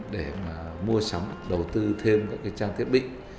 để mà mua sắm đầu tư thêm các trang thiết bị